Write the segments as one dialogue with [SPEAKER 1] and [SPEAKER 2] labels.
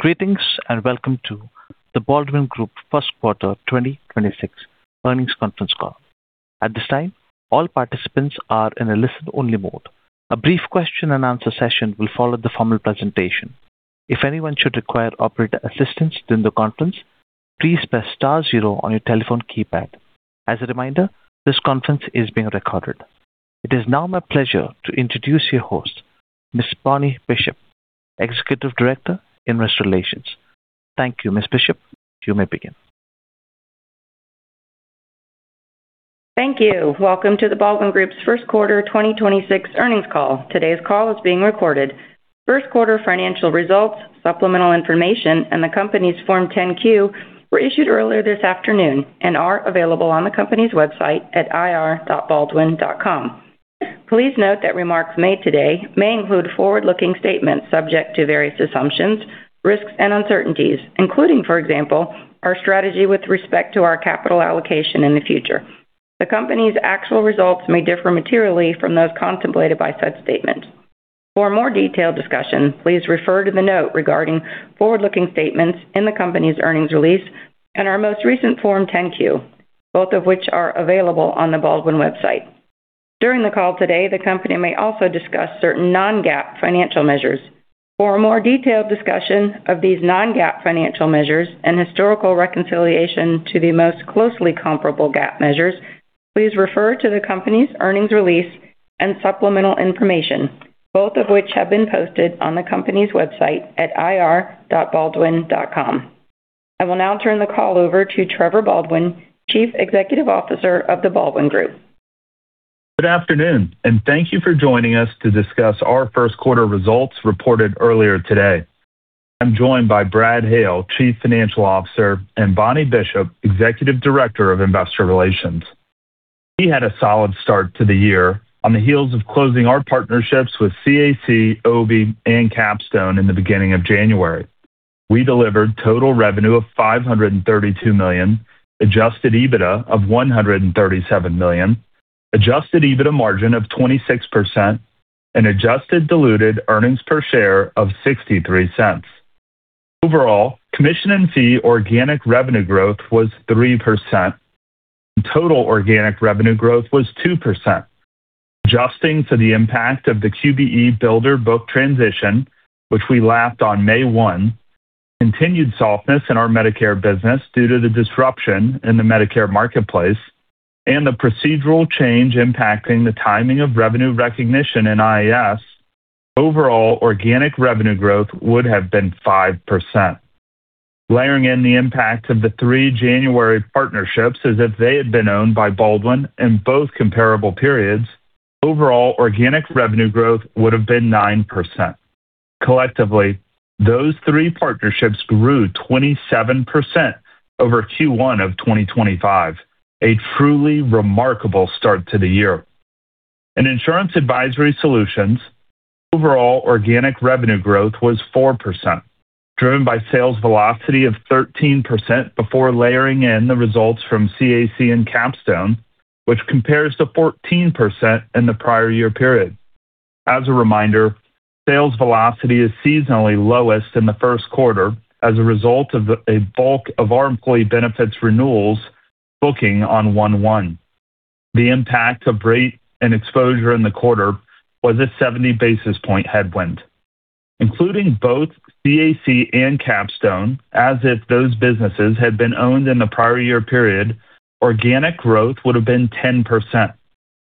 [SPEAKER 1] Greetings, and welcome to The Baldwin Group first quarter 2026 earnings conference call. At this time, all participants are in a listen-only mode. A brief question and answer session will follow the formal presentation. If anyone should require operator assistance during the conference, please press star zero on your telephone keypad. As a reminder, this conference is being recorded. It is now my pleasure to introduce your host, Ms. Bonnie Bishop, Executive Director, Investor Relations. Thank you, Ms. Bishop. You may begin.
[SPEAKER 2] Thank you. Welcome to The Baldwin Group's first quarter 2026 earnings call. Today's call is being recorded. First quarter financial results, supplemental information, and the company's Form 10-Q were issued earlier this afternoon and are available on the company's website at ir.baldwin.com. Please note that remarks made today may include forward-looking statements subject to various assumptions, risks, and uncertainties, including, for example, our strategy with respect to our capital allocation in the future. The company's actual results may differ materially from those contemplated by such statements. For a more detailed discussion, please refer to the note regarding forward-looking statements in the company's earnings release and our most recent Form 10-Q, both of which are available on the Baldwin website. During the call today, the company may also discuss certain non-GAAP financial measures. For a more detailed discussion of these non-GAAP financial measures and historical reconciliation to the most closely comparable GAAP measures, please refer to the company's earnings release and supplemental information, both of which have been posted on the company's website at ir.baldwin.com. I will now turn the call over to Trevor Baldwin, Chief Executive Officer of The Baldwin Group.
[SPEAKER 3] Good afternoon, thank you for joining us to discuss our first quarter results reported earlier today. I'm joined by Brad Hale, Chief Financial Officer, and Bonnie Bishop, Executive Director of Investor Relations. We had a solid start to the year on the heels of closing our partnerships with CAC, Obie, and Capstone in the beginning of January. We delivered total revenue of $532 million, adjusted EBITDA of $137 million, adjusted EBITDA margin of 26%, and adjusted diluted earnings per share of $0.63. Overall, commission and fee organic revenue growth was 3%, and total organic revenue growth was 2%. Adjusting to the impact of the QBE builder book transition, which we lapped on May 1, continued softness in our Medicare business due to the disruption in the Medicare marketplace, and the procedural change impacting the timing of revenue recognition in IAS, overall organic revenue growth would have been 5%. Layering in the impact of the three January partnerships as if they had been owned by Baldwin in both comparable periods, overall organic revenue growth would have been 9%. Collectively, those three partnerships grew 27% over Q1 of 2025, a truly remarkable start to the year. In Insurance Advisory Solutions, overall organic revenue growth was 4%, driven by sales velocity of 13% before layering in the results from CAC and Capstone, which compares to 14% in the prior year period. As a reminder, sales velocity is seasonally lowest in the first quarter as a result of a bulk of our employee benefits renewals booking on 1/1. The impact of rate and exposure in the quarter was a 70 basis point headwind. Including both CAC and Capstone as if those businesses had been owned in the prior year period, organic growth would have been 10%.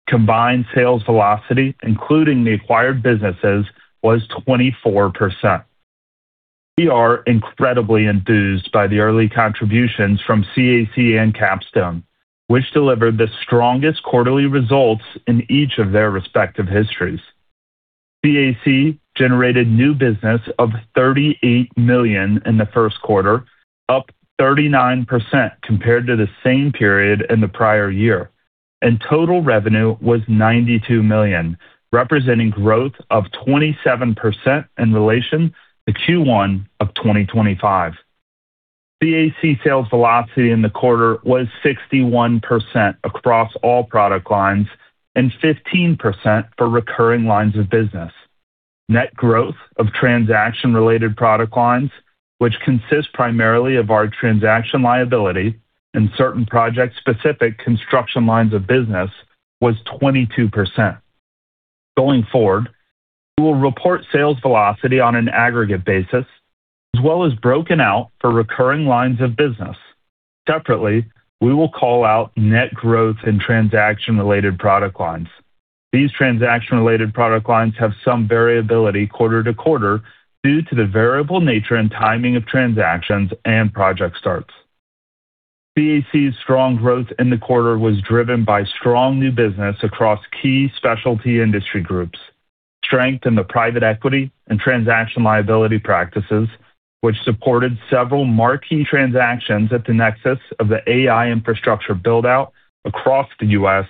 [SPEAKER 3] Combined sales velocity, including the acquired businesses, was 24%. We are incredibly enthused by the early contributions from CAC and Capstone, which delivered the strongest quarterly results in each of their respective histories. CAC generated new business of $38 million in the first quarter, up 39% compared to the same period in the prior year, and total revenue was $92 million, representing growth of 27% in relation to Q1 of 2025. CAC sales velocity in the quarter was 61% across all product lines and 15% for recurring lines of business. Net growth of transaction-related product lines, which consists primarily of our transaction liability and certain project-specific construction lines of business, was 22%. Going forward, we will report sales velocity on an aggregate basis as well as broken out for recurring lines of business. Separately, we will call out net growth in transaction-related product lines. These transaction-related product lines have some variability quarter to quarter due to the variable nature and timing of transactions and project starts. CAC's strong growth in the quarter was driven by strong new business across key specialty industry groups, strength in the private equity and transaction liability practices, which supported several marquee transactions at the nexus of the AI infrastructure build-out across the U.S.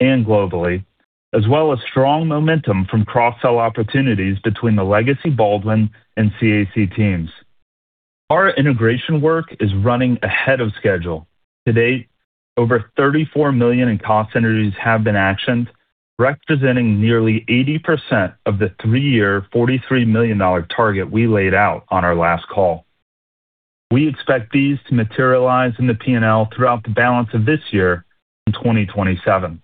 [SPEAKER 3] and globally, as well as strong momentum from cross-sell opportunities between the Legacy Baldwin and CAC teams. Our integration work is running ahead of schedule. To date, over $34 million in cost synergies have been actioned, representing nearly 80% of the three-year $43 million target we laid out on our last call. We expect these to materialize in the P&L throughout the balance of this year in 2027.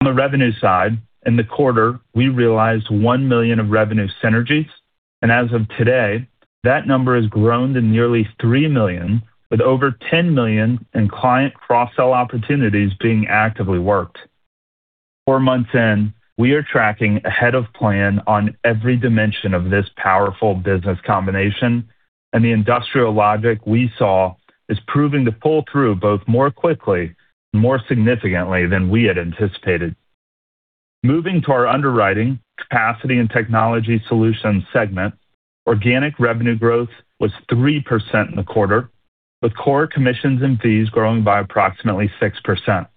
[SPEAKER 3] On the revenue side, in the quarter, we realized $1 million of revenue synergies, and as of today, that number has grown to nearly $3 million, with over $10 million in client cross-sell opportunities being actively worked. Four months in, we are tracking ahead of plan on every dimension of this powerful business combination. The industrial logic we saw is proving to pull through both more quickly and more significantly than we had anticipated. Moving to our Underwriting, Capacity and Technology Solutions segment, organic revenue growth was 3% in the quarter, with core commissions and fees growing by approximately 6%.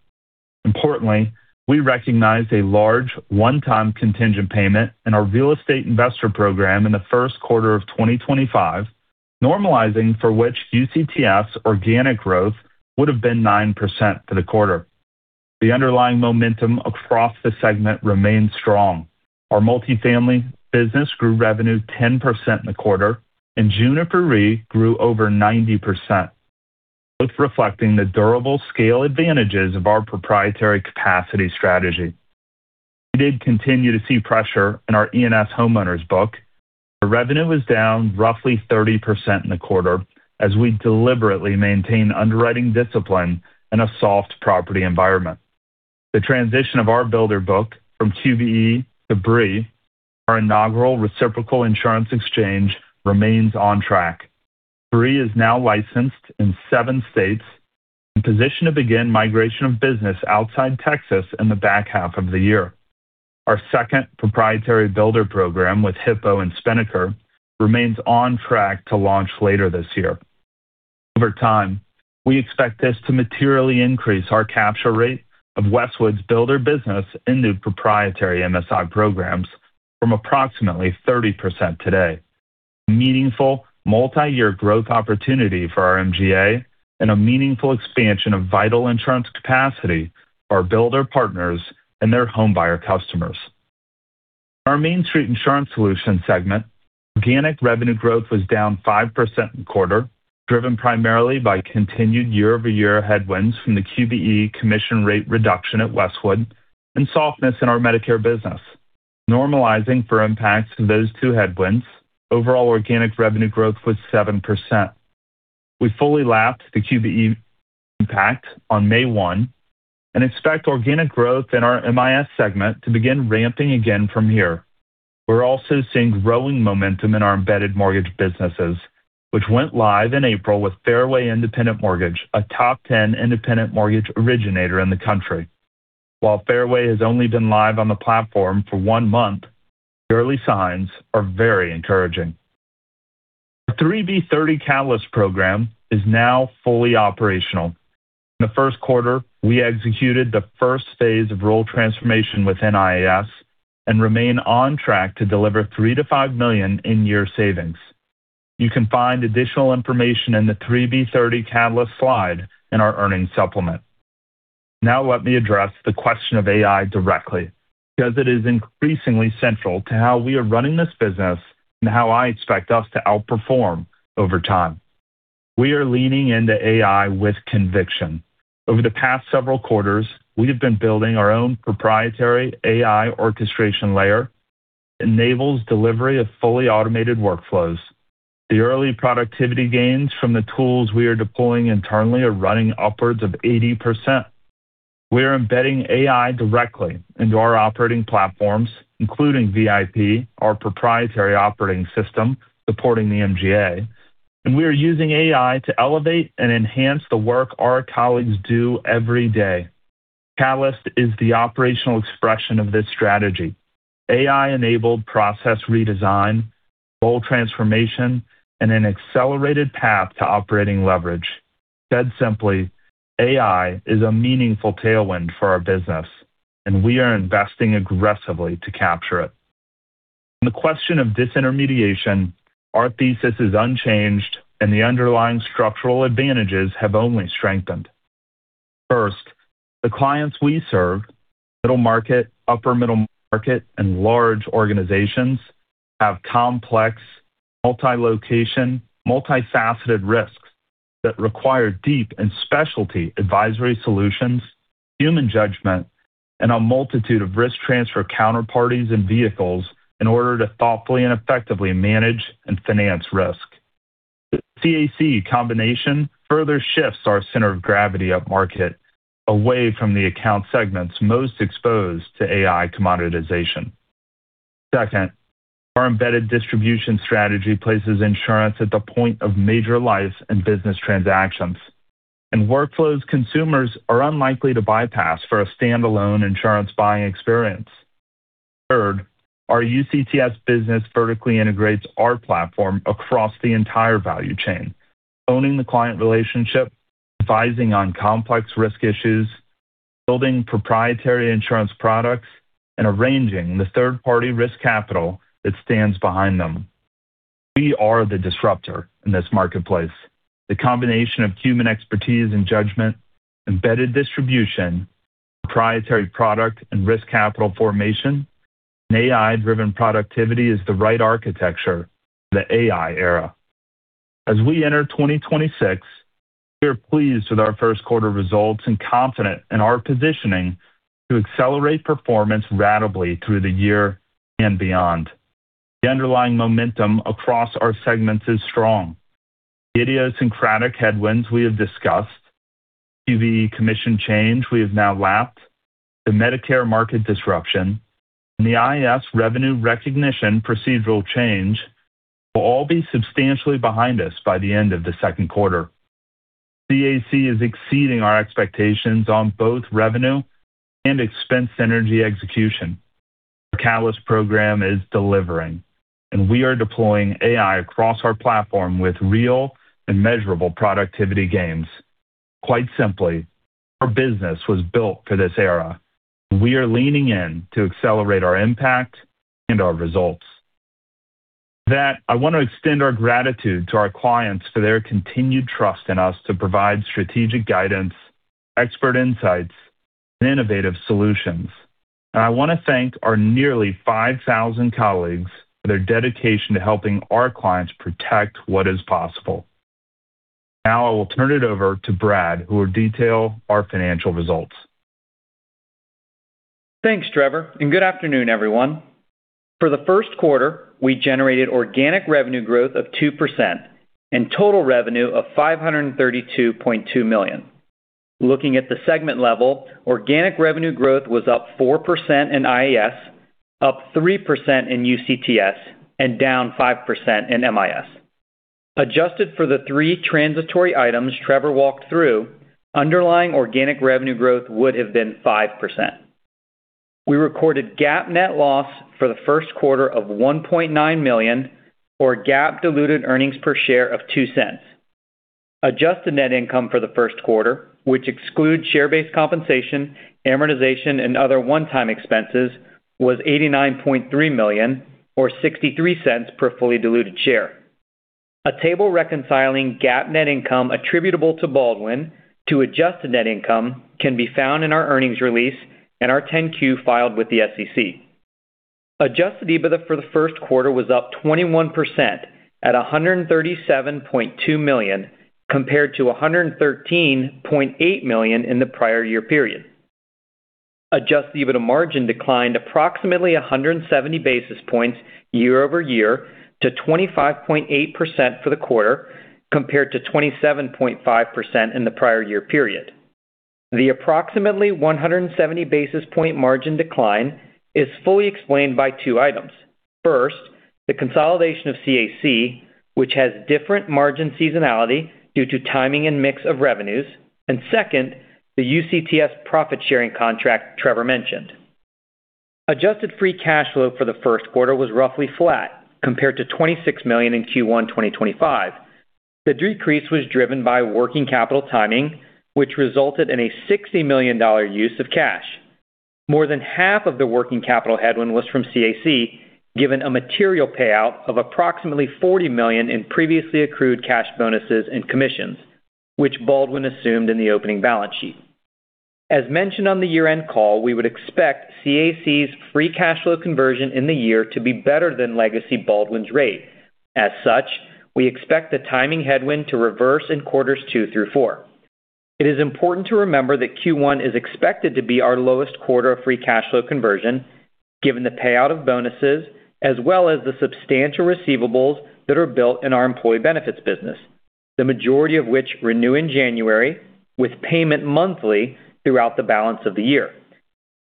[SPEAKER 3] Importantly, we recognized a large one-time contingent payment in our real estate investor program in the first quarter of 2025, normalizing for which UCTS organic growth would have been 9% for the quarter. The underlying momentum across the segment remains strong. Our multifamily business grew revenue 10% in the quarter, and Juniper Re grew over 90%, both reflecting the durable scale advantages of our proprietary capacity strategy. We did continue to see pressure in our E&S homeowners book. The revenue was down roughly 30% in the quarter as we deliberately maintain underwriting discipline in a soft property environment. The transition of our builder book from QBE to BRIE, our inaugural reciprocal insurance exchange, remains on track. BRIE is now licensed in seven states in position to begin migration of business outside Texas in the back half of the year. Our second proprietary builder program with Hippo and Spinnaker remains on track to launch later this year. Over time, we expect this to materially increase our capture rate of Westwood's builder business into proprietary MSI programs from approximately 30% today. Meaningful multi-year growth opportunity for our MGA and a meaningful expansion of vital insurance capacity for our builder partners and their homebuyer customers. Our Mainstreet Insurance Solutions segment organic revenue growth was down 5% in quarter, driven primarily by continued year-over-year headwinds from the QBE commission rate reduction at Westwood and softness in our Medicare business. Normalizing for impacts of those two headwinds, overall organic revenue growth was 7%. We fully lapped the QBE impact on May 1 and expect organic growth in our MIS segment to begin ramping again from here. We're also seeing growing momentum in our embedded mortgage businesses, which went live in April with Fairway Independent Mortgage, a top 10 independent mortgage originator in the country. While Fairway has only been live on the platform for one month, the early signs are very encouraging. The 3B30 Catalyst program is now fully operational. In the first quarter, we executed the first phase of role transformation with NIAS and remain on track to deliver $3 million-$5 million in year savings. You can find additional information in the 3B30 Catalyst slide in our earnings supplement. Let me address the question of AI directly because it is increasingly central to how we are running this business and how I expect us to outperform over time. We are leaning into AI with conviction. Over the past several quarters, we have been building our own proprietary AI orchestration layer, enables delivery of fully automated workflows. The early productivity gains from the tools we are deploying internally are running upwards of 80%. We are embedding AI directly into our operating platforms, including VIP, our proprietary operating system supporting the MGA. We are using AI to elevate and enhance the work our colleagues do every day. Catalyst is the operational expression of this strategy. AI-enabled process redesign, role transformation, and an accelerated path to operating leverage. Said simply, AI is a meaningful tailwind for our business, and we are investing aggressively to capture it. On the question of disintermediation, our thesis is unchanged, and the underlying structural advantages have only strengthened. First, the clients we serve, middle market, upper middle market, and large organizations, have complex multi-location, multifaceted risks that require deep and specialty advisory solutions, human judgment, and a multitude of risk transfer counterparties and vehicles in order to thoughtfully and effectively manage and finance risk. The CAC combination further shifts our center of gravity upmarket away from the account segments most exposed to AI commoditization. Second, our embedded distribution strategy places insurance at the point of major life and business transactions. In workflows, consumers are unlikely to bypass for a stand-alone insurance buying experience. Third, our UCTS business vertically integrates our platform across the entire value chain. Owning the client relationship, advising on complex risk issues, building proprietary insurance products, and arranging the third-party risk capital that stands behind them. We are the disruptor in this marketplace. The combination of human expertise and judgment, embedded distribution, proprietary product and risk capital formation, and AI-driven productivity is the right architecture for the AI era. As we enter 2026, we are pleased with our first quarter results and confident in our positioning to accelerate performance ratably through the year and beyond. The underlying momentum across our segments is strong. The idiosyncratic headwinds we have discussed, QBE commission change we have now lapped, the Medicare market disruption, and the IAS revenue recognition procedural change will all be substantially behind us by the end of the second quarter. CAC is exceeding our expectations on both revenue and expense synergy execution. Our Catalyst program is delivering, and we are deploying AI across our platform with real and measurable productivity gains. Quite simply, our business was built for this era. We are leaning in to accelerate our impact and our results. That I want to extend our gratitude to our clients for their continued trust in us to provide strategic guidance, expert insights, and innovative solutions. I want to thank our nearly 5,000 colleagues for their dedication to helping our clients protect what is possible. Now I will turn it over to Brad, who will detail our financial results.
[SPEAKER 4] Thanks, Trevor, and good afternoon, everyone. For the first quarter, we generated organic revenue growth of 2% and total revenue of $532.2 million. Looking at the segment level, organic revenue growth was up 4% in IAS, up 3% in UCTS, and down 5% in MIS. Adjusted for the three transitory items Trevor walked through, underlying organic revenue growth would have been 5%. We recorded GAAP net loss for the first quarter of $1.9 million, or GAAP diluted earnings per share of $0.02. Adjusted net income for the first quarter, which excludes share-based compensation, amortization, and other one-time expenses, was $89.3 million or $0.63 per fully diluted share. A table reconciling GAAP net income attributable to Baldwin to adjusted net income can be found in our earnings release and our Form 10-Q filed with the SEC. Adjusted EBITDA for the first quarter was up 21% at $137.2 million compared to $113.8 million in the prior year period. Adjusted EBITDA margin declined approximately 170 basis points year-over-year to 25.8% for the quarter, compared to 27.5% in the prior year period. The approximately 170 basis point margin decline is fully explained by two items. First, the consolidation of CAC, which has different margin seasonality due to timing and mix of revenues, and second, the UCTS profit-sharing contract Trevor mentioned. Adjusted free cash flow for the first quarter was roughly flat compared to $26 million in Q1 2025. The decrease was driven by working capital timing, which resulted in a $60 million use of cash. More than half of the working capital headwind was from CAC, given a material payout of approximately $40 million in previously accrued cash bonuses and commissions, which Baldwin assumed in the opening balance sheet. As mentioned on the year-end call, we would expect CAC's free cash flow conversion in the year to be better than Legacy Baldwin's rate. As such, we expect the timing headwind to reverse in quarters two through four. It is important to remember that Q1 is expected to be our lowest quarter of free cash flow conversion, given the payout of bonuses as well as the substantial receivables that are built in our employee benefits business, the majority of which renew in January with payment monthly throughout the balance of the year.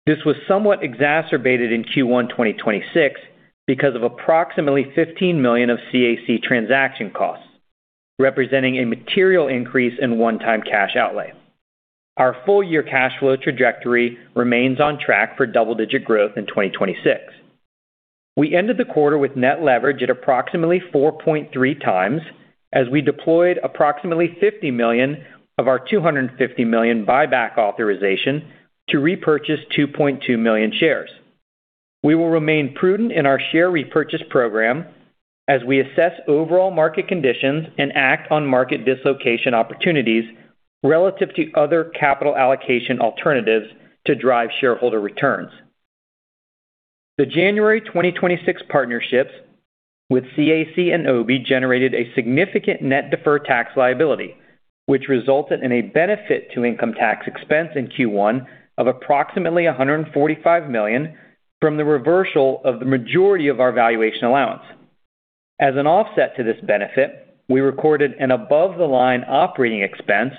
[SPEAKER 4] This was somewhat exacerbated in Q1 2026 because of approximately $15 million of CAC transaction costs, representing a material increase in one-time cash outlay. Our full-year cash flow trajectory remains on track for double-digit growth in 2026. We ended the quarter with net leverage at approximately 4.3 times as we deployed approximately $50 million of our $250 million buyback authorization to repurchase 2.2 million shares. We will remain prudent in our share repurchase program as we assess overall market conditions and act on market dislocation opportunities relative to other capital allocation alternatives to drive shareholder returns. The January 2026 partnerships with CAC and Obie generated a significant net deferred tax liability, which resulted in a benefit to income tax expense in Q1 of approximately $145 million from the reversal of the majority of our valuation allowance. As an offset to this benefit, we recorded an above-the-line operating expense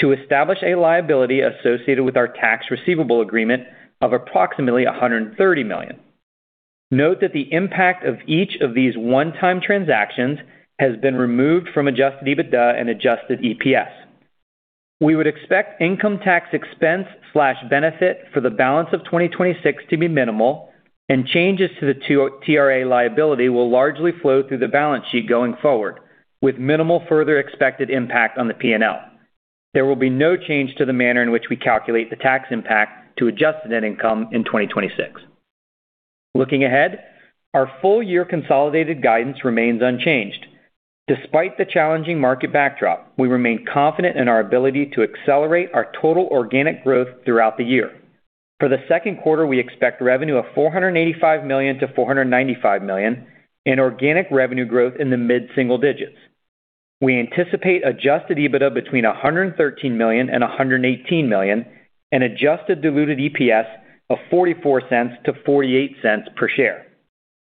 [SPEAKER 4] to establish a liability associated with our tax receivable agreement of approximately $130 million. Note that the impact of each of these one-time transactions has been removed from adjusted EBITDA and adjusted EPS. We would expect income tax expense/benefit for the balance of 2026 to be minimal, and changes to the TRA liability will largely flow through the balance sheet going forward, with minimal further expected impact on the P&L. There will be no change to the manner in which we calculate the tax impact to adjusted net income in 2026. Looking ahead, our full year consolidated guidance remains unchanged. Despite the challenging market backdrop, we remain confident in our ability to accelerate our total organic growth throughout the year. For the second quarter, we expect revenue of $485 million-$495 million and organic revenue growth in the mid-single digits. We anticipate adjusted EBITDA between $113 million and $118 million, and adjusted diluted EPS of $0.44-$0.48 per share.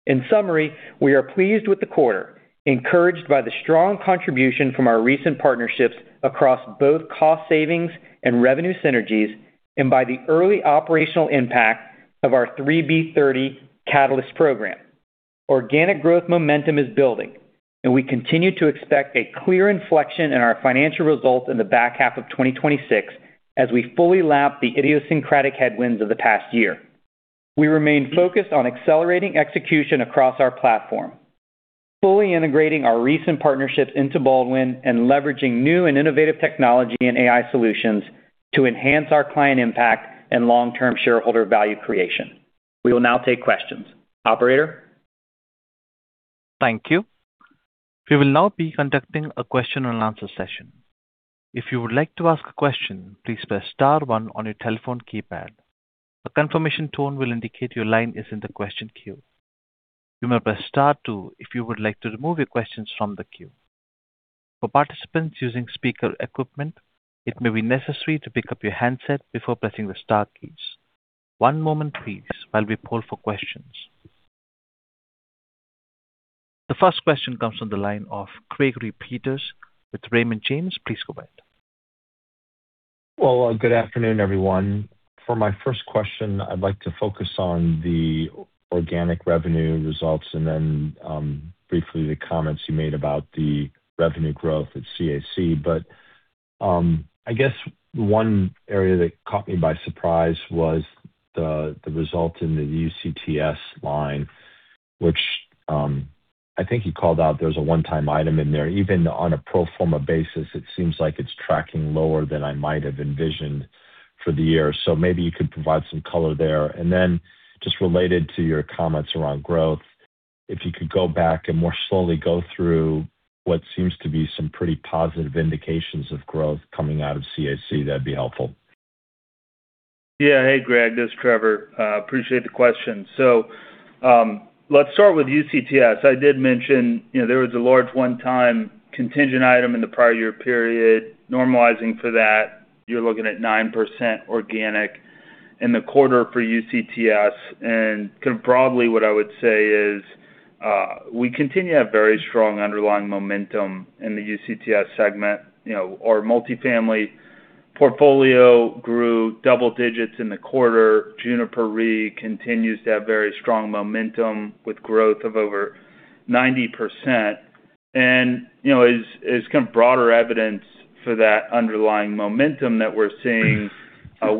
[SPEAKER 4] In summary, we are pleased with the quarter, encouraged by the strong contribution from our recent partnerships across both cost savings and revenue synergies, and by the early operational impact of our 3B30 Catalyst program. Organic growth momentum is building, we continue to expect a clear inflection in our financial results in the back half of 2026 as we fully lap the idiosyncratic headwinds of the past year. We remain focused on accelerating execution across our platform, fully integrating our recent partnerships into Baldwin and leveraging new and innovative technology and AI solutions to enhance our client impact and long-term shareholder value creation. We will now take questions. Operator.
[SPEAKER 1] Thank you. We will now be conducting a question and answer session. If you would like to ask a question, please press star one on your telephone keypad. A confirmation tone will indicate your line is in the question queue. You may press star two if you would like to remove your questions from the queue. For participants using speaker equipment, it may be necessary to pick up your handset before pressing the star keys. One moment please while we poll for questions. The first question comes from the line of Gregory Peters with Raymond James. Please go ahead.
[SPEAKER 5] Well, good afternoon, everyone. For my first question, I'd like to focus on the organic revenue results and then briefly the comments you made about the revenue growth at CAC. I guess one area that caught me by surprise was the result in the UCTS line, which I think you called out there's a one-time item in there. Even on a pro forma basis, it seems like it's tracking lower than I might have envisioned for the year. Maybe you could provide some color there. Just related to your comments around growth, if you could go back and more slowly go through what seems to be some pretty positive indications of growth coming out of CAC, that'd be helpful.
[SPEAKER 3] Yeah. Hey, Greg, this is Trevor. Appreciate the question. Let's start with UCTS. I did mention, you know, there was a large one-time contingent item in the prior year period. Normalizing for that, you're looking at 9% organic in the quarter for UCTS. Kind of broadly, what I would say is, we continue to have very strong underlying momentum in the UCTS segment. You know, our multifamily portfolio grew double digits in the quarter. Juniper Re continues to have very strong momentum with growth of over 90%. You know, as kind of broader evidence for that underlying momentum that we're seeing,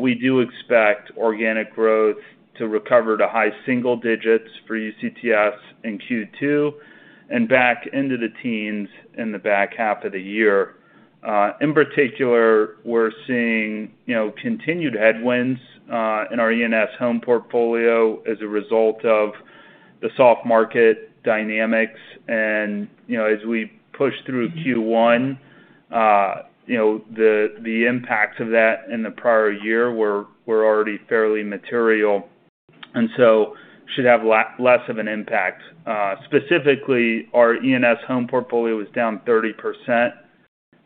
[SPEAKER 3] we do expect organic growth to recover to high single digits for UCTS in Q2 and back into the teens in the back half of the year. In particular, we're seeing, you know, continued headwinds in our E&S home portfolio as a result of the soft market dynamics. You know, as we push through Q1, you know, the impacts of that in the prior year were already fairly material and so should have less of an impact. Specifically, our E&S home portfolio was down 30%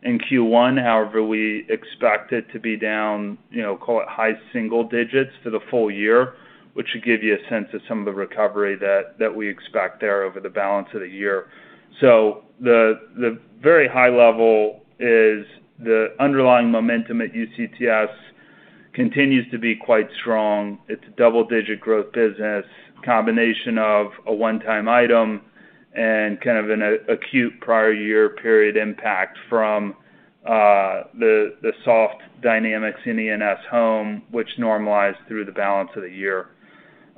[SPEAKER 3] in Q1. We expect it to be down, you know, call it high single digits for the full year, which should give you a sense of some of the recovery that we expect there over the balance of the year. The very high level is the underlying momentum at UCTS continues to be quite strong. It's a double-digit growth business, combination of a one-time item and kind of an acute prior year period impact from the soft dynamics in E&S home, which normalize through the balance of the year.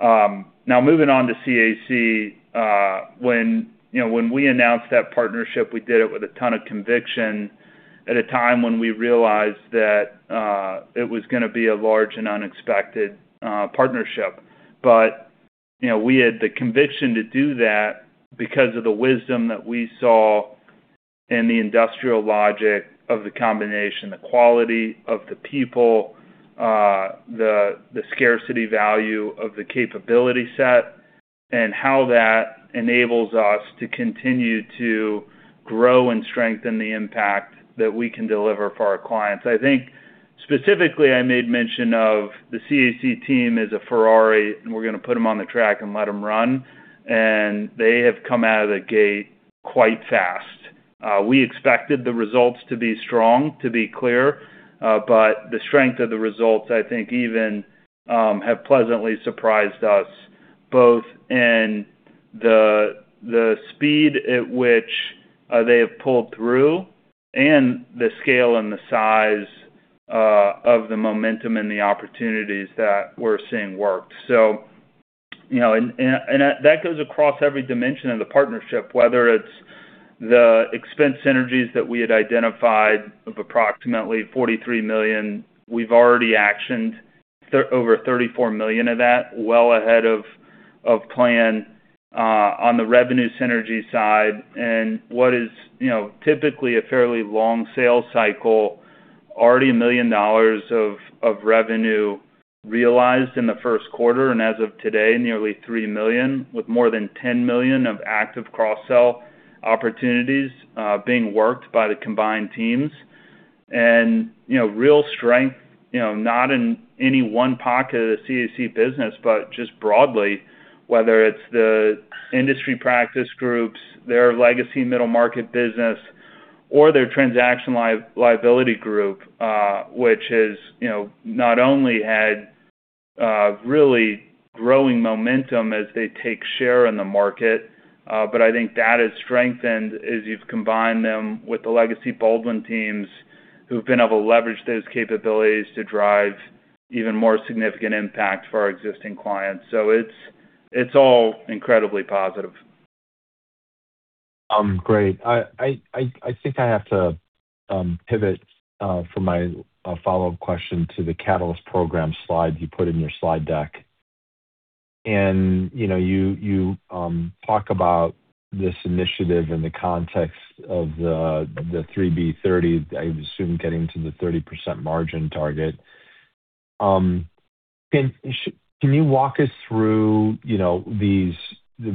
[SPEAKER 3] Now moving on to CAC, when, you know, when we announced that partnership, we did it with a ton of conviction at a time when we realized that it was gonna be a large and unexpected partnership. You know, we had the conviction to do that because of the wisdom that we saw in the industrial logic of the combination, the quality of the people, the scarcity value of the capability set, and how that enables us to continue to grow and strengthen the impact that we can deliver for our clients. I think specifically I made mention of the CAC team as a Ferrari, we're gonna put them on the track and let them run, they have come out of the gate quite fast. We expected the results to be strong, to be clear, the strength of the results I think even have pleasantly surprised us both in the speed at which they have pulled through and the scale and the size of the momentum and the opportunities that we're seeing worked. You know, that goes across every dimension of the partnership, whether it's the expense synergies that we had identified of approximately $43 million. We've already actioned over $34 million of that well ahead of plan on the revenue synergy side. What is, you know, typically a fairly long sales cycle, already $1 million of revenue realized in the first quarter, and as of today, nearly $3 million, with more than $10 million of active cross-sell opportunities being worked by the combined teams. You know, real strength, you know, not in any one pocket of the CAC business, but just broadly, whether it's the industry practice groups, their legacy middle market business, or their transaction liability group, which has, you know, not only had really growing momentum as they take share in the market, but I think that has strengthened as you've combined them with the Legacy Baldwin teams who've been able to leverage those capabilities to drive even more significant impact for our existing clients. It's all incredibly positive.
[SPEAKER 5] Great. I think I have to pivot for my follow-up question to the Catalyst program slide you put in your slide deck. You know, you talk about this initiative in the context of the 3B30, I assume getting to the 30% margin target. Can you walk us through, you know, these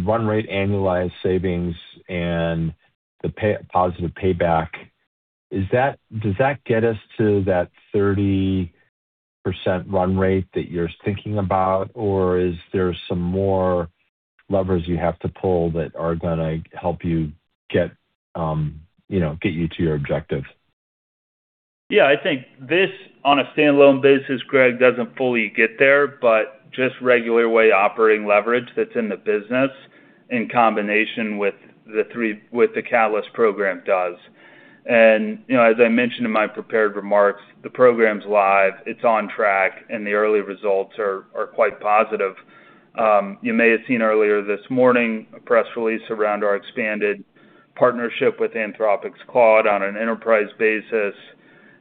[SPEAKER 5] run rate annualized savings and the positive payback? Does that get us to that 30% run rate that you're thinking about? Is there some more levers you have to pull that are gonna help you get, you know, get you to your objective?
[SPEAKER 3] Yeah. I think this on a standalone basis, Greg, doesn't fully get there, but just regular way operating leverage that's in the business in combination with the Catalyst program does. You know, as I mentioned in my prepared remarks, the program's live, it's on track, and the early results are quite positive. You may have seen earlier this morning a press release around our expanded partnership with Anthropic's Claude on an enterprise basis,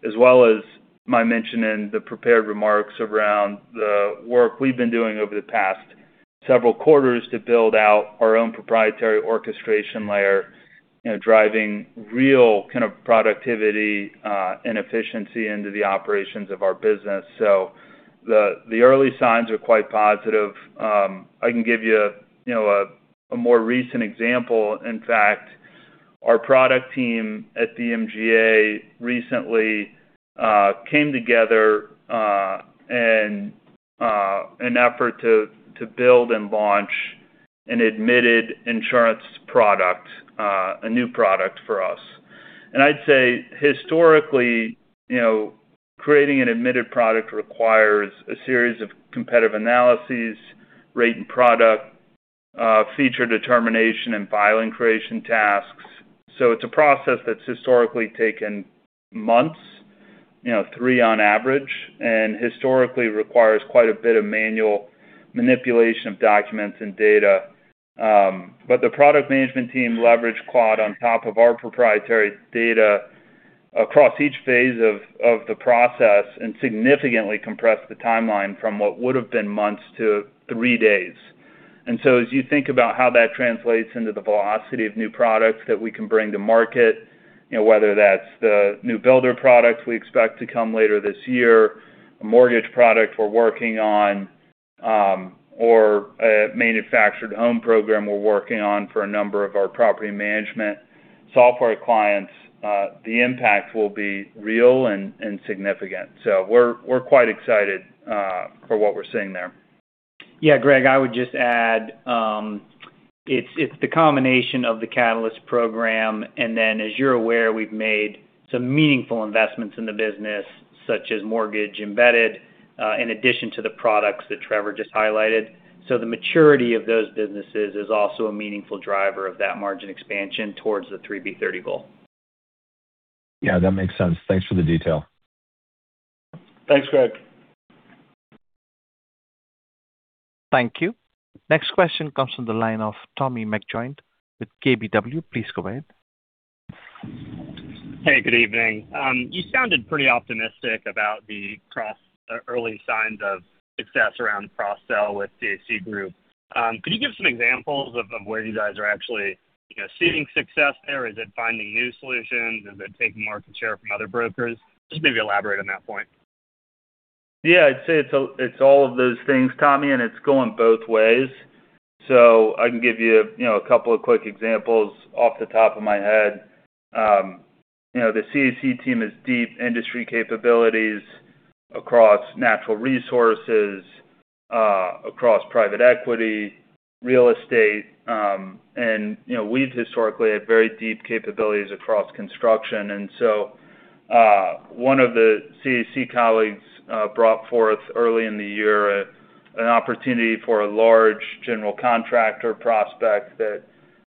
[SPEAKER 3] as well as my mention in the prepared remarks around the work we've been doing over the past several quarters to build out our own proprietary orchestration layer, you know, driving real kind of productivity and efficiency into the operations of our business. The early signs are quite positive. I can give you know, a more recent example. In fact, our product team at MGA recently came together in an effort to build and launch an admitted insurance product, a new product for us. I'd say historically, you know, creating an admitted product requires a series of competitive analyses, rate and product feature determination, and filing creation tasks. It's a process that's historically taken months, you know, three on average, and historically requires quite a bit of manual manipulation of documents and data. The product management team leveraged Claude on top of our proprietary data across each phase of the process and significantly compressed the timeline from what would have been months to three days. As you think about how that translates into the velocity of new products that we can bring to market, you know, whether that's the new builder products we expect to come later this year, a mortgage product we're working on, or a manufactured home program we're working on for a number of our property management software clients, the impact will be real and significant. We're quite excited, for what we're seeing there.
[SPEAKER 4] Yeah, Greg, I would just add, it's the combination of the Catalyst program, and then as you're aware, we've made some meaningful investments in the business, such as mortgage embedded, in addition to the products that Trevor just highlighted. The maturity of those businesses is also a meaningful driver of that margin expansion towards the 3B30 goal.
[SPEAKER 5] Yeah, that makes sense. Thanks for the detail.
[SPEAKER 3] Thanks, Greg.
[SPEAKER 1] Thank you. Next question comes from the line of Tommy McJoynt with KBW. Please go ahead.
[SPEAKER 6] Hey, good evening. You sounded pretty optimistic about the early signs of success around cross-sell with CAC Group. Could you give some examples of where you guys are actually, you know, seeing success there? Is it finding new solutions? Is it taking market share from other brokers? Just maybe elaborate on that point.
[SPEAKER 3] Yeah. I'd say it's all of those things, Tommy, and it's going both ways. I can give you know, couple of quick examples off the top of my head. You know, the CAC team is deep industry capabilities across natural resources, across private equity, real estate, and, you know, we've historically had very deep capabilities across construction. So, one of the CAC colleagues brought forth early in the year an opportunity for a large general contractor prospect that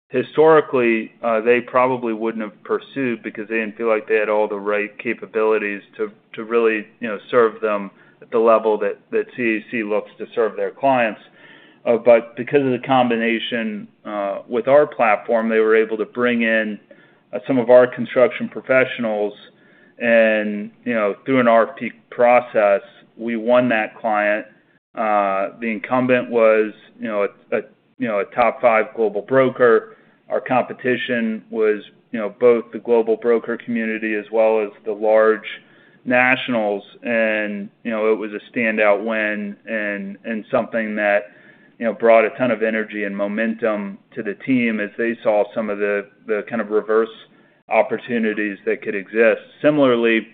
[SPEAKER 3] historically, they probably wouldn't have pursued because they didn't feel like they had all the right capabilities to really, you know, serve them at the level that CAC looks to serve their clients. Because of the combination with our platform, they were able to bring in some of our construction professionals and, you know, through an RFP process, we won that client. The incumbent was, you know, a, you know, a top five global broker. Our competition was, you know, both the global broker community as well as the large nationals. You know, it was a standout win and something that, you know, brought a ton of energy and momentum to the team as they saw some of the kind of reverse opportunities that could exist. Similarly,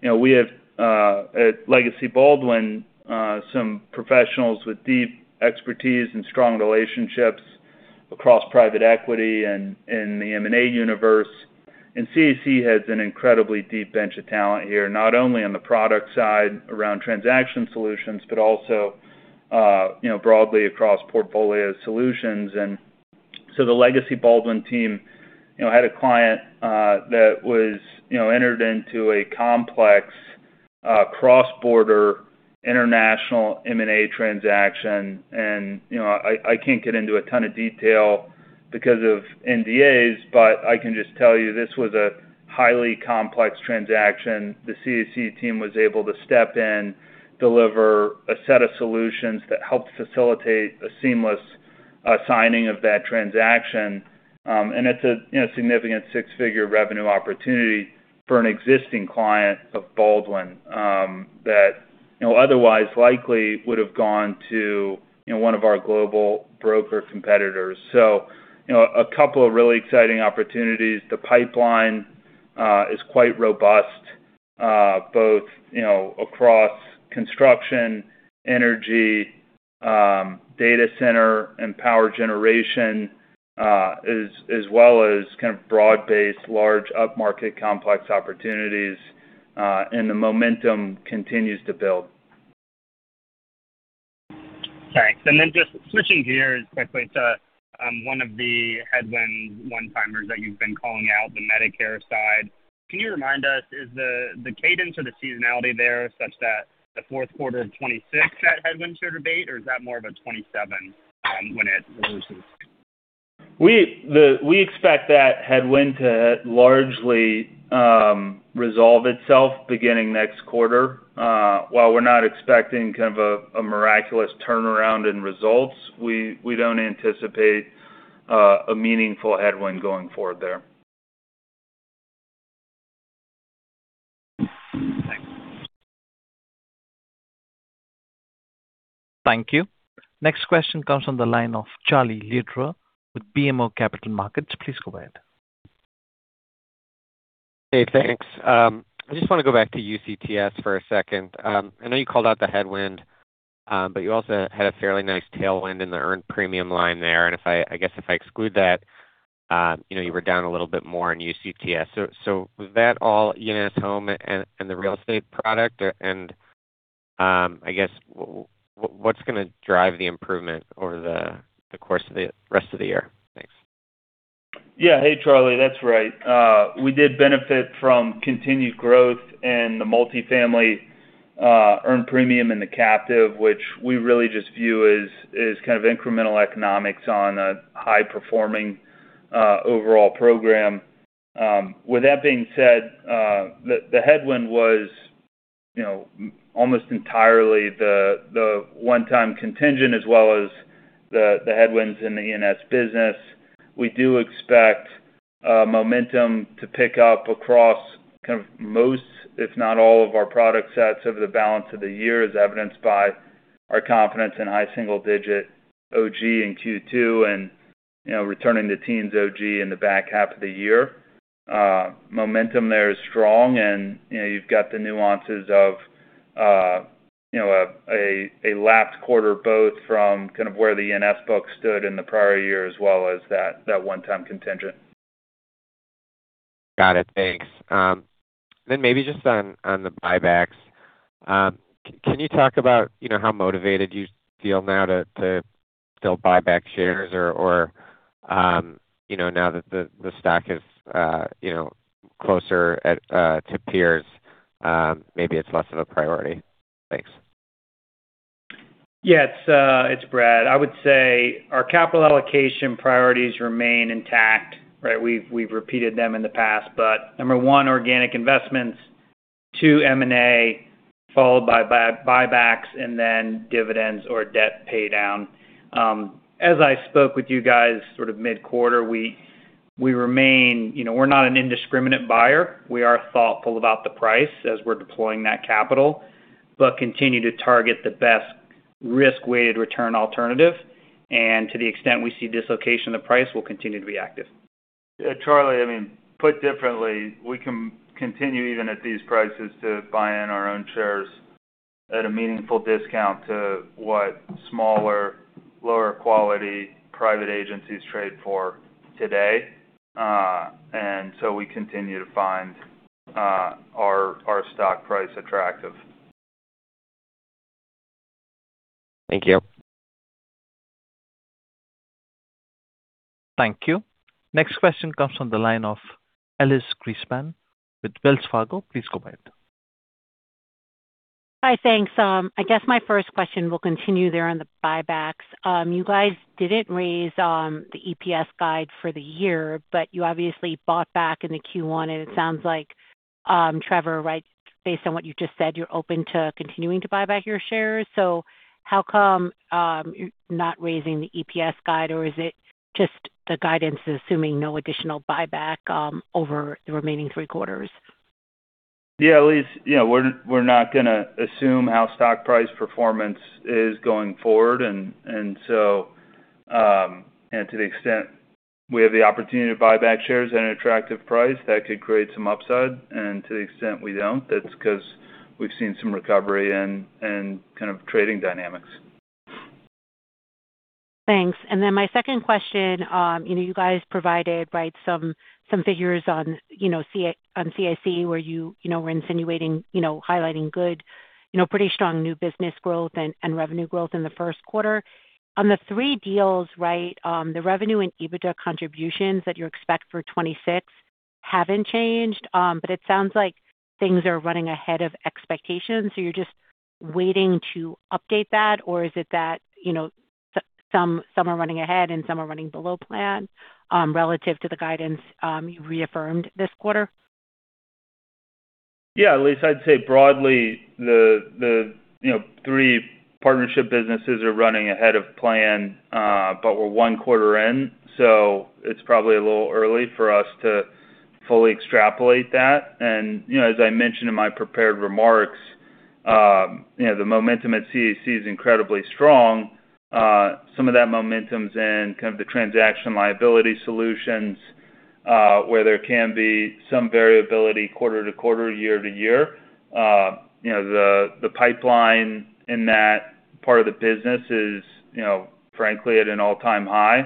[SPEAKER 3] you know, we have at Legacy Baldwin some professionals with deep expertise and strong relationships across private equity and in the M&A universe. CAC has an incredibly deep bench of talent here, not only on the product side around transaction solutions, but also, you know, broadly across portfolio solutions. The Legacy Baldwin team, you know, had a client that was, you know, entered into a complex cross-border international M&A transaction. You know, I can't get into a ton of detail because of NDAs, but I can just tell you this was a highly complex transaction. The CAC team was able to step in, deliver a set of solutions that helped facilitate a seamless signing of that transaction. It's a, you know, significant six-figure revenue opportunity for an existing client of Baldwin that, you know, otherwise likely would have gone to, you know, one of our global broker competitors. You know, a couple of really exciting opportunities. The pipeline is quite robust, both, you know, across construction, energy, data center and power generation, as well as kind of broad-based, large upmarket complex opportunities. The momentum continues to build.
[SPEAKER 6] Thanks. Just switching gears quickly to one of the headwind one-timers that you've been calling out, the Medicare side. Can you remind us, is the cadence or the seasonality there such that the fourth quarter of 2026 that headwind should abate, or is that more of a 2027 when it loses?
[SPEAKER 3] We expect that headwind to largely resolve itself beginning next quarter. While we're not expecting kind of a miraculous turnaround in results, we don't anticipate a meaningful headwind going forward there.
[SPEAKER 1] Thank you. Next question comes from the line of Charlie Lederer with BMO Capital Markets. Please go ahead.
[SPEAKER 7] Hey, thanks. I just want to go back to UCTS for a second. I know you called out the headwind, you also had a fairly nice tailwind in the earned premium line there. I guess if I exclude that, you know, you were down a little bit more in UCTS. Was that all E&S home and the real estate product? I guess what's gonna drive the improvement over the course of the rest of the year? Thanks.
[SPEAKER 3] Yeah. Hey, Charlie. That's right. We did benefit from continued growth in the multifamily, earned premium in the captive, which we really just view as kind of incremental economics on a high-performing overall program. With that being said, the headwind was, you know, almost entirely the one-time contingent as well as the headwinds in the E&S business. We do expect momentum to pick up across kind of most, if not all, of our product sets over the balance of the year, as evidenced by our confidence in high single-digit OG in Q2 and, you know, returning the team's OG in the back half of the year. Momentum there is strong and, you know, you've got the nuances of, you know, a lapsed quarter both from kind of where the E&S book stood in the prior year as well as that one-time contingent.
[SPEAKER 7] Got it. Thanks. Maybe just on the buybacks. Can you talk about, you know, how motivated you feel now to still buy back shares or, you know, now that the stock is, you know, closer at to peers, maybe it's less of a priority. Thanks.
[SPEAKER 4] Yeah. It's, it's Brad. I would say our capital allocation priorities remain intact, right? We've, we've repeated them in the past, but number one, organic investments, two, M&A, followed by buybacks and then dividends or debt paydown. As I spoke with you guys sort of mid-quarter, we remain, you know, we're not an indiscriminate buyer. We are thoughtful about the price as we're deploying that capital, but continue to target the best risk-weighted return alternative. To the extent we see dislocation in the price, we'll continue to be active.
[SPEAKER 3] Charlie, I mean, put differently, we can continue even at these prices to buy in our own shares at a meaningful discount to what smaller, lower quality private agencies trade for today. We continue to find our stock price attractive.
[SPEAKER 7] Thank you.
[SPEAKER 1] Thank you. Next question comes from the line of Elyse Greenspan with Wells Fargo. Please go ahead.
[SPEAKER 8] Hi. Thanks. I guess my first question will continue there on the buybacks. You guys didn't raise the EPS guide for the year, but you obviously bought back in the Q1, and it sounds like Trevor, right? Based on what you just said, you're open to continuing to buy back your shares. How come you're not raising the EPS guide or is it just the guidance is assuming no additional buyback over the remaining three quarters?
[SPEAKER 3] Yeah. Elyse, you know, we're not gonna assume how stock price performance is going forward. To the extent we have the opportunity to buy back shares at an attractive price, that could create some upside. To the extent we don't, that's 'cause we've seen some recovery and kind of trading dynamics.
[SPEAKER 8] Thanks. My second question, you know, you guys provided, right, some figures on, you know, on CAC where you know, were insinuating, you know, highlighting good, you know, pretty strong new business growth and revenue growth in the first quarter. On the three deals, right, the revenue and EBITDA contributions that you expect for 2026 haven't changed. It sounds like things are running ahead of expectations, so you're just waiting to update that or is it that, you know, some are running ahead and some are running below plan, relative to the guidance, you've reaffirmed this quarter?
[SPEAKER 3] Elyse, I'd say broadly the, you know, three partnership businesses are running ahead of plan, but we're one quarter in, so it's probably a little early for us to fully extrapolate that. You know, as I mentioned in my prepared remarks, you know, the momentum at CAC is incredibly strong. Some of that momentum's in kind of the transaction liability solutions, where there can be some variability quarter-to-quarter, year-to-year. You know, the pipeline in that part of the business is, you know, frankly at an all-time high,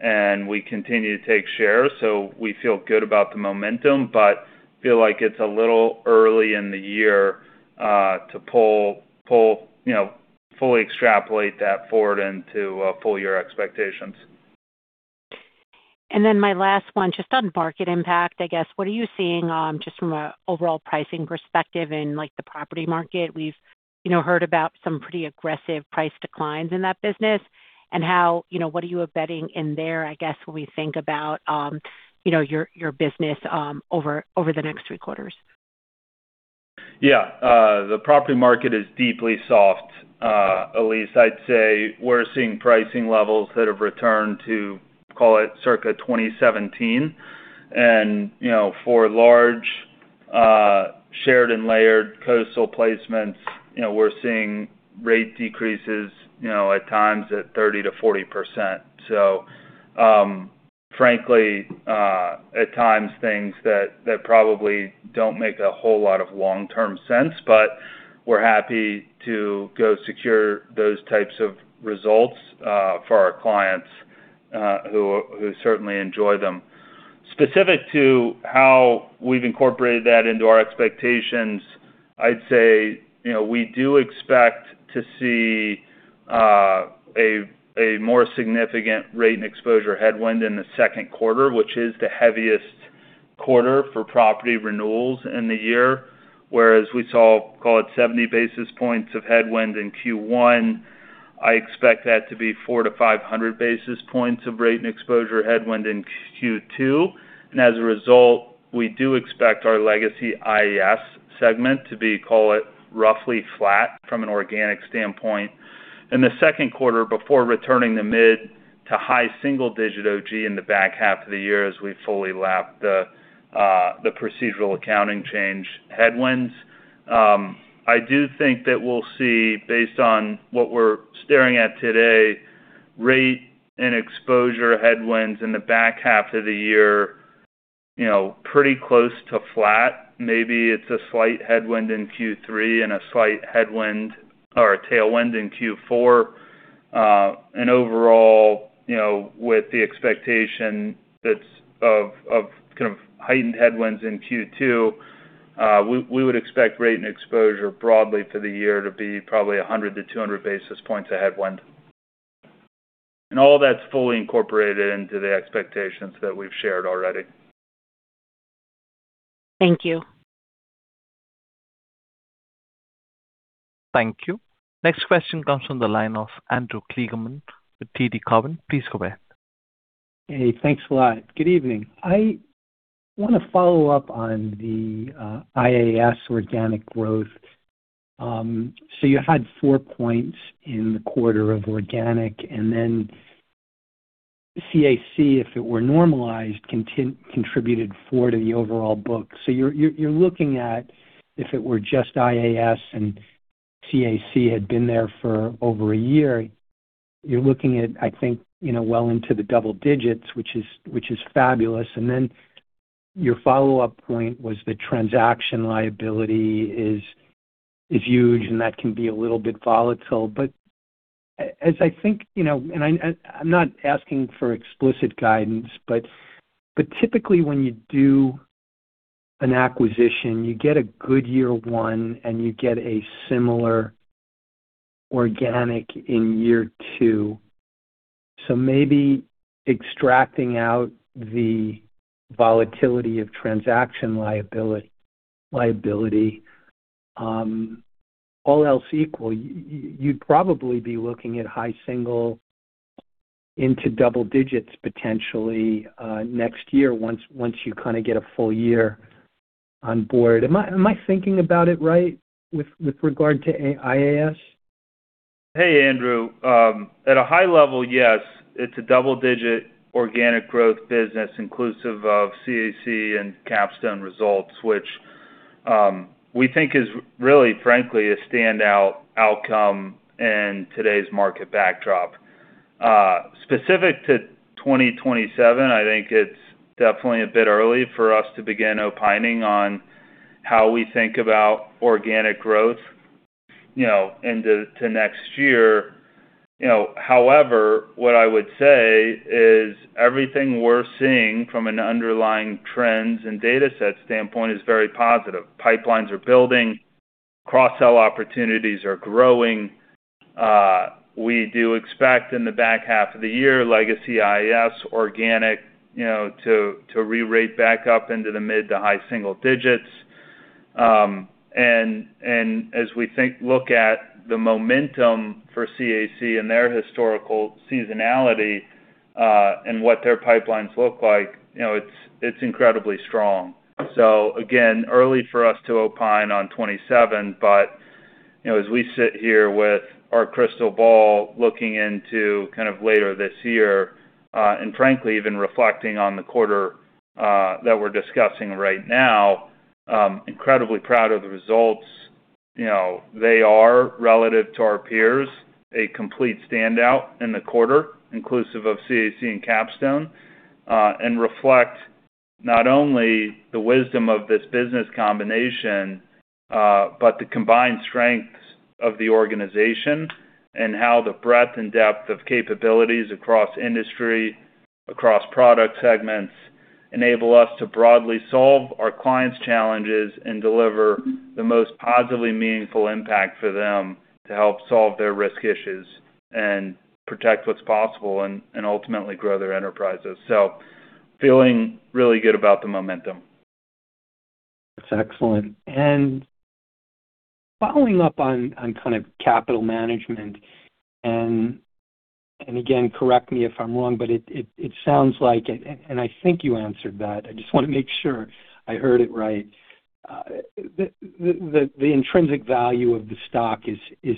[SPEAKER 3] and we continue to take shares, so we feel good about the momentum, but feel like it's a little early in the year to, you know, fully extrapolate that forward into full year expectations.
[SPEAKER 8] My last one, just on market impact, I guess. What are you seeing, just from a overall pricing perspective in, like, the property market? We've, you know, heard about some pretty aggressive price declines in that business and how, you know, what are you betting in there, I guess, when we think about, you know, your business over the next three quarters?
[SPEAKER 3] Yeah. The property market is deeply soft, Elyse. I'd say we're seeing pricing levels that have returned to, call it, circa 2017. You know, for large, shared and layered coastal placements, you know, we're seeing rate decreases, you know, at times at 30%-40%. Frankly, at times things that probably don't make a whole lot of long-term sense, but we're happy to go secure those types of results for our clients who certainly enjoy them. Specific to how we've incorporated that into our expectations, I'd say, you know, we do expect to see a more significant rate and exposure headwind in the second quarter, which is the heaviest quarter for property renewals in the year. We saw, call it, 70 basis points of headwind in Q1, I expect that to be 400-500 basis points of rate and exposure headwind in Q2. As a result, we do expect our legacy IAS segment to be, call it, roughly flat from an organic standpoint in the second quarter before returning to mid to high single digit OG in the back half of the year as we fully lap the procedural accounting change headwinds. I do think that we'll see, based on what we're staring at today, rate and exposure headwinds in the back half of the year, you know, pretty close to flat. Maybe it's a slight headwind in Q3 and a slight headwind or a tailwind in Q4. Overall, you know, with the expectation that's of kind of heightened headwinds in Q2, we would expect rate and exposure broadly for the year to be probably 100 to 200 basis points of headwind. All that's fully incorporated into the expectations that we've shared already.
[SPEAKER 8] Thank you.
[SPEAKER 1] Thank you. Next question comes from the line of Andrew Kligerman with TD Cowen. Please go ahead.
[SPEAKER 9] Hey, thanks a lot. Good evening. I want to follow up on the IAS organic growth. You had four points in the quarter of organic, and then CAC, if it were normalized, contributed four to the overall book. You're looking at if it were just IAS and CAC had been there for over a year, you're looking at, I think, you know, well into the double digits, which is fabulous. Your follow-up point was the transaction liability is huge, and that can be a little bit volatile. As I think, you know, and I'm not asking for explicit guidance, but typically when you do an acquisition, you get a good year one, and you get a similar organic in year two. Maybe extracting out the volatility of transaction liability, all else equal, you'd probably be looking at high single into double digits potentially next year once you kinda get a full year on board. Am I thinking about it right with regard to IAS?
[SPEAKER 3] Hey, Andrew. At a high level, yes, it's a double-digit organic growth business inclusive of CAC and Capstone results, which, we think is really frankly a standout outcome in today's market backdrop. Specific to 2027, I think it's definitely a bit early for us to begin opining on how we think about organic growth, you know, to next year. You know, however, what I would say is everything we're seeing from an underlying trends and data set standpoint is very positive. Pipelines are building, cross-sell opportunities are growing. We do expect in the back half of the year Legacy IAS organic, you know, to rerate back up into the mid-to-high single digits. And as we look at the momentum for CAC and their historical seasonality, and what their pipelines look like, you know, it's incredibly strong. Again, early for us to opine on 2027, but, you know, as we sit here with our crystal ball looking into kind of later this year, and frankly even reflecting on the quarter that we're discussing right now, incredibly proud of the results. You know, they are, relative to our peers, a complete standout in the quarter, inclusive of CAC and Capstone, and reflect not only the wisdom of this business combination, but the combined strengths of the organization and how the breadth and depth of capabilities across industry, across product segments enable us to broadly solve our clients' challenges and deliver the most positively meaningful impact for them to help solve their risk issues and protect what's possible and ultimately grow their enterprises. Feeling really good about the momentum.
[SPEAKER 9] That's excellent. Following up on kind of capital management, again, correct me if I'm wrong, but it sounds like, I think you answered that. I just want to make sure I heard it right. The intrinsic value of the stock is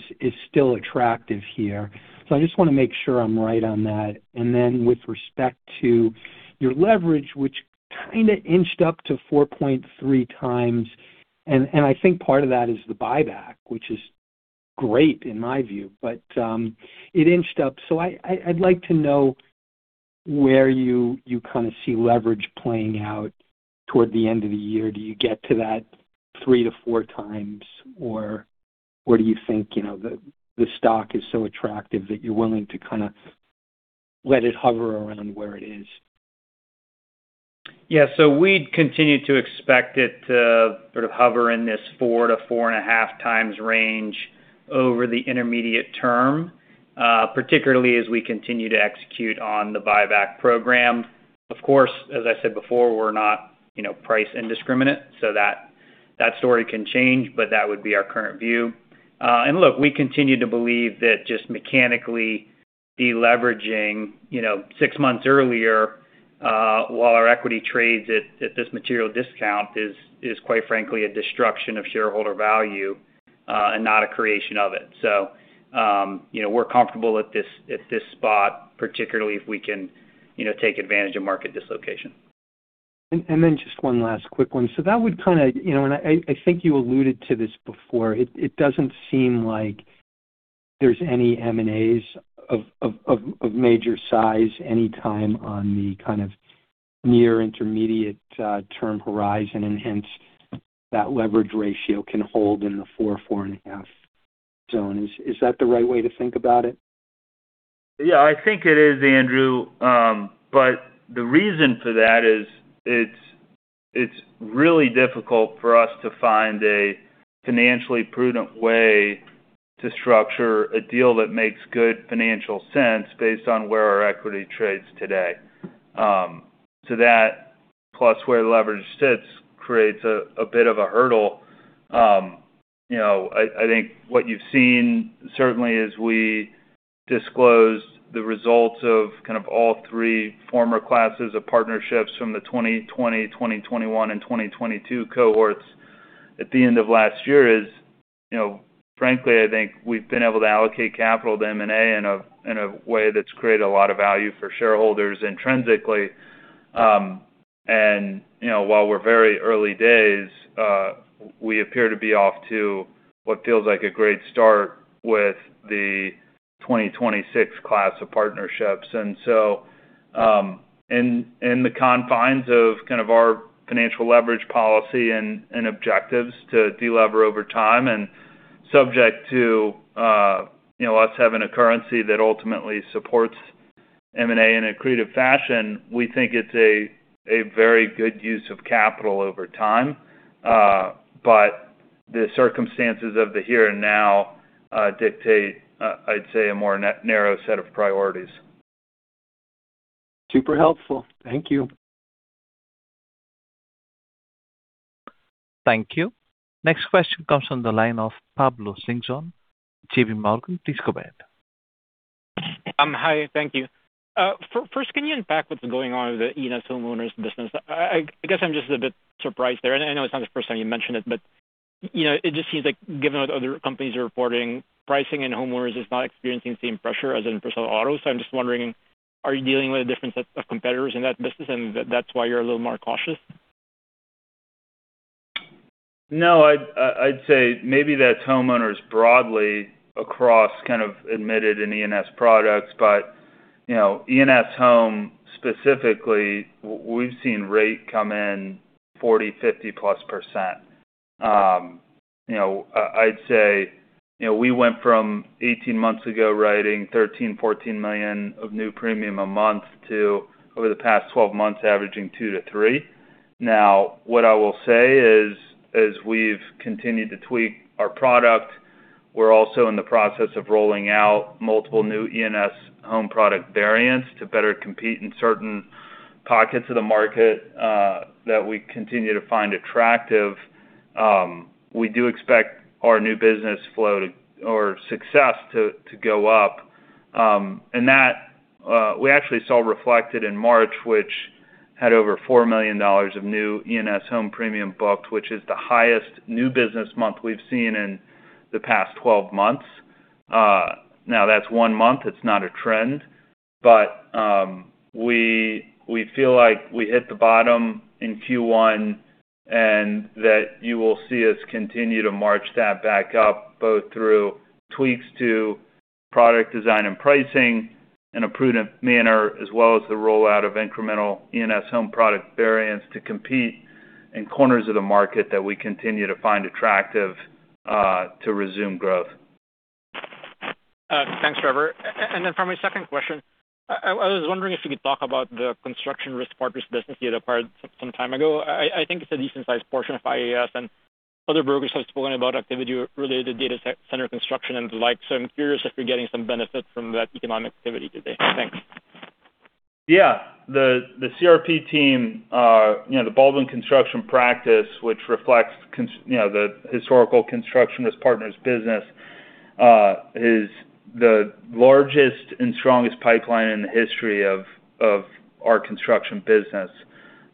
[SPEAKER 9] still attractive here. I just want to make sure I'm right on that. With respect to your leverage, which kind of inched up to 4.3 times, I think part of that is the buyback, which is great in my view. It inched up. I'd like to know where you kind of see leverage playing out toward the end of the year. Do you get to that three to four times, or what do you think? You know, the stock is so attractive that you're willing to kinda let it hover around where it is.
[SPEAKER 4] Yeah. We'd continue to expect it to sort of hover in this 4 to 4.5 times range over the intermediate term, particularly as we continue to execute on the buyback program. Of course, as I said before, we're not, you know, price indiscriminate, that story can change, but that would be our current view. Look, we continue to believe that just mechanically deleveraging, you know, six months earlier, while our equity trades at this material discount is quite frankly a destruction of shareholder value, not a creation of it. You know, we're comfortable at this spot, particularly if we can, you know, take advantage of market dislocation.
[SPEAKER 9] Then just one last quick one. That would kind of, you know, I think you alluded to this before. It doesn't seem like there's any M&As of major size anytime on the kind of near intermediate term horizon, and hence that leverage ratio can hold in the 4-4.5 zone. Is that the right way to think about it?
[SPEAKER 3] Yeah, I think it is, Andrew. The reason for that is it's really difficult for us to find a financially prudent way to structure a deal that makes good financial sense based on where our equity trades today. That plus where leverage sits creates a bit of a hurdle. You know, I think what you've seen certainly as we disclose the results of kind of all three former classes of partnerships from the 2020, 2021, and 2022 cohorts at the end of last year is, you know, frankly, I think we've been able to allocate capital to M&A in a way that's created a lot of value for shareholders intrinsically. You know, while we're very early days, we appear to be off to what feels like a great start with the 2026 class of partnerships. In the confines of kind of our financial leverage policy and objectives to delever over time and subject to, you know, us having a currency that ultimately supports M&A in accretive fashion, we think it's a very good use of capital over time. The circumstances of the here and now, dictate, I'd say, a more narrow set of priorities.
[SPEAKER 9] Super helpful. Thank you.
[SPEAKER 1] Thank you. Next question comes from the line of Pablo Singzon, JPMorgan. Please go ahead.
[SPEAKER 10] Hi. Thank you. First, can you unpack what's going on with the E&S Homeowners business? I guess I'm just a bit surprised there. I know it's not the first time you mentioned it, but, you know, it just seems like given what other companies are reporting, pricing and homeowners is not experiencing the same pressure as in personal auto. I'm just wondering, are you dealing with a different set of competitors in that business and that's why you're a little more cautious?
[SPEAKER 3] No. I'd say maybe that's homeowners broadly across kind of admitted in E&S products. You know, E&S Home specifically, we've seen rate come in 40%-50%+. You know, I'd say, you know, we went from 18 months ago writing $13 million-$14 million of new premium a month to over the past 12 months, averaging $2 million-$3 million. What I will say is, as we've continued to tweak our product, we're also in the process of rolling out multiple new E&S Home product variants to better compete in certain pockets of the market that we continue to find attractive. We do expect our new business flow to or success to go up. We actually saw reflected in March, which had over $4 million of new E&S Home premium booked, which is the highest new business month we've seen in the past 12 months. Now that's one month. It's not a trend, we feel like we hit the bottom in Q1, and that you will see us continue to march that back up, both through tweaks to product design and pricing in a prudent manner, as well as the rollout of incremental E&S Home product variants to compete in corners of the market that we continue to find attractive to resume growth.
[SPEAKER 10] Thanks, Trevor. Then for my second question, I was wondering if you could talk about the Construction Risk Partners business you had acquired some time ago. I think it's a decent sized portion of IAS, and other brokers have spoken about activity related data center construction and the like. I'm curious if you're getting some benefit from that economic activity today. Thanks.
[SPEAKER 3] Yeah. The CRP team, you know, the Baldwin Construction practice, which reflects, you know, the historical Construction Risk Partners business, is the largest and strongest pipeline in the history of our construction business.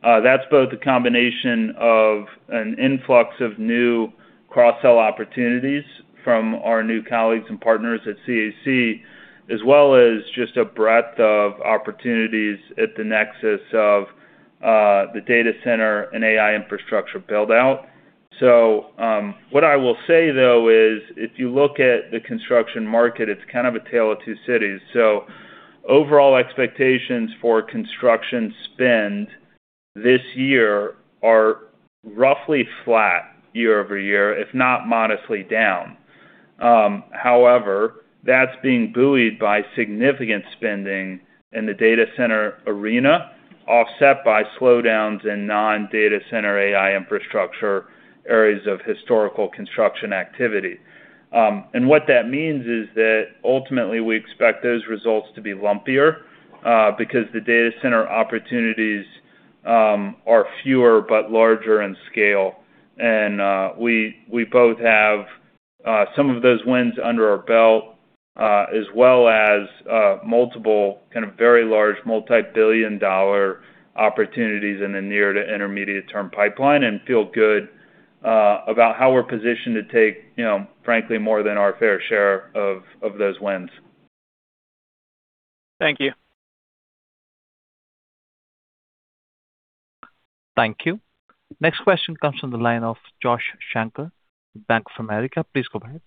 [SPEAKER 3] That's both a combination of an influx of new cross-sell opportunities from our new colleagues and partners at CAC, as well as just a breadth of opportunities at the nexus of the data center and AI infrastructure build-out. What I will say, though, is if you look at the construction market, it's kind of a tale of two cities. Overall expectations for construction spend this year are roughly flat year-over-year, if not modestly down. However, that's being buoyed by significant spending in the data center arena, offset by slowdowns in non-data center AI infrastructure areas of historical construction activity. What that means is that ultimately we expect those results to be lumpier because the data center opportunities are fewer but larger in scale. We both have some of those wins under our belt as well as multiple kind of very large, multi-billion dollar opportunities in the near to intermediate term pipeline and feel good about how we're positioned to take, you know, frankly, more than our fair share of those wins.
[SPEAKER 10] Thank you.
[SPEAKER 1] Thank you. Next question comes from the line of Josh Shanker, Bank of America. Please go ahead.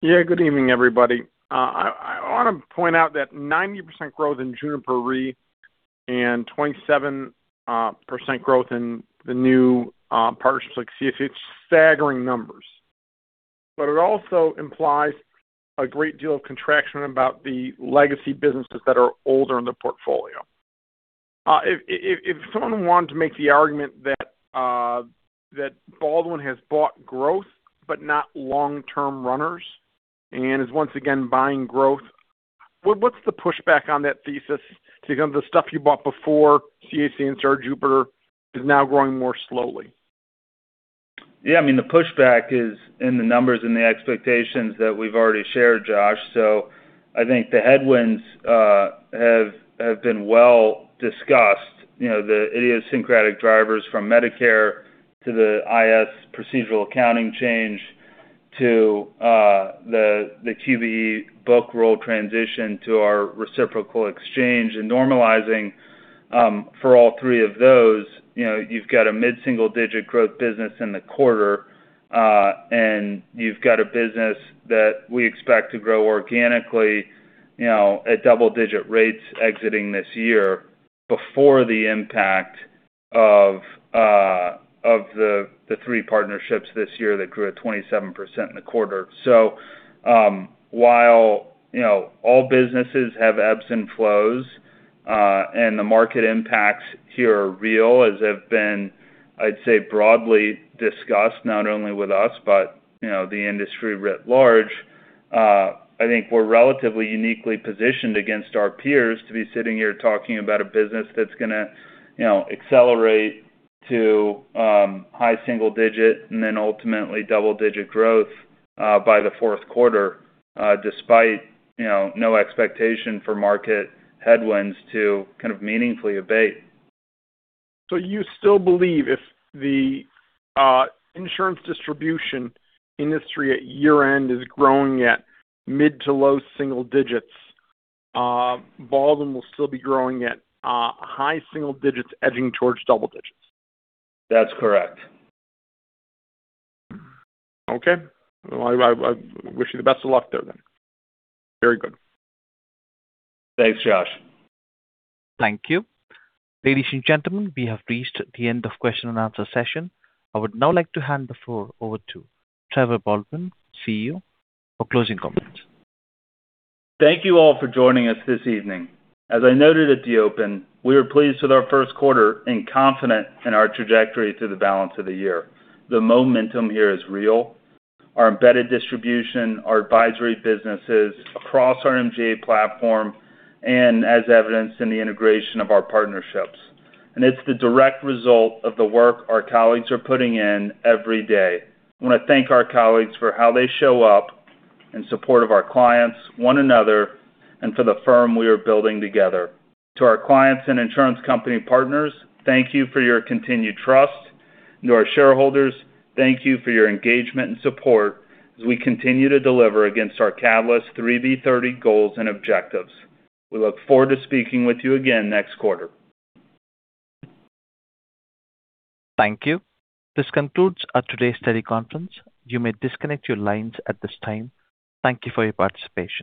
[SPEAKER 11] Yeah, good evening, everybody. I want to point out that 90% growth in Juniper Re and 27% growth in the new partnerships like CAC, it's staggering numbers. It also implies a great deal of contraction about the legacy businesses that are older in the portfolio. If someone wanted to make the argument that Baldwin has bought growth but not long-term runners and is once again buying growth, what's the pushback on that thesis to kind of the stuff you bought before CAC and Juniper Re is now growing more slowly?
[SPEAKER 3] Yeah, I mean, the pushback is in the numbers and the expectations that we've already shared, Josh. I think the headwinds have been well discussed. You know, the idiosyncratic drivers from Medicare to the IAS procedural accounting change to the QBE book roll transition to our reciprocal exchange and normalizing, for all three of those, you know, you've got a mid-single-digit growth business in the quarter, and you've got a business that we expect to grow organically, you know, at double-digit rates exiting this year before the impact of the three partnerships this year that grew at 27% in the quarter. While, you know, all businesses have ebbs and flows, and the market impacts here are real, as have been, I'd say, broadly discussed, not only with us but, you know, the industry writ large, I think we're relatively uniquely positioned against our peers to be sitting here talking about a business that's gonna, you know, accelerate to high single-digit and then ultimately double-digit growth by the fourth quarter, despite, you know, no expectation for market headwinds to kind of meaningfully abate.
[SPEAKER 11] You still believe if the insurance distribution industry at year-end is growing at mid to low single digits, Baldwin will still be growing at high single digits edging towards double digits?
[SPEAKER 3] That's correct.
[SPEAKER 11] Okay. Well, I wish you the best of luck there then. Very good.
[SPEAKER 3] Thanks, Josh.
[SPEAKER 1] Thank you. Ladies and gentlemen, we have reached the end of question and answer session. I would now like to hand the floor over to Trevor Baldwin, CEO, for closing comments.
[SPEAKER 3] Thank you all for joining us this evening. As I noted at the open, we are pleased with our first quarter and confident in our trajectory through the balance of the year. The momentum here is real. Our embedded distribution, our advisory businesses across our MGA platform as evidenced in the integration of our partnerships. It's the direct result of the work our colleagues are putting in every day. I wanna thank our colleagues for how they show up in support of our clients, one another, and for the firm we are building together. To our clients and insurance company partners, thank you for your continued trust. To our shareholders, thank you for your engagement and support as we continue to deliver against our Catalyst 3B30 goals and objectives. We look forward to speaking with you again next quarter.
[SPEAKER 1] Thank you. This concludes our today's teleconference. You may disconnect your lines at this time. Thank you for your participation.